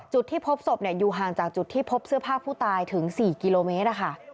จุดที่พบศพอยู่ห่างจากจุดที่พบเสื้อผ้าผู้ตายถึง๔กิโลเมตร